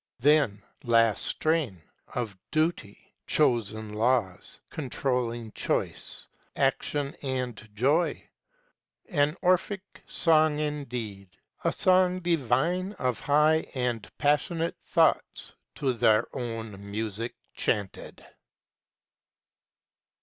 Then (last strain) Of Duty, chosen laws controlling choice, Action and joy! An Orphic song indeed, A song divine of high and passionate thoughts To their own music chanted!